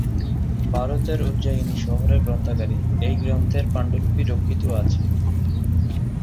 ভারতের উজ্জয়িনী শহরের গ্রন্থাগারে এই গ্রন্থের পাণ্ডুলিপি রক্ষিত আছে।